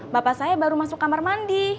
bapak saya baru masuk kamar mandi